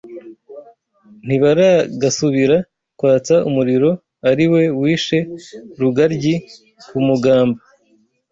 Ntibaragasubira kwatsa umuriro ari we wishe Rugaryi ku Mugamba